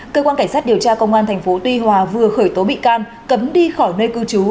cơ quan cảnh sát điều tra công an tp tuy hòa vừa khởi tố bị can cấm đi khỏi nơi cư trú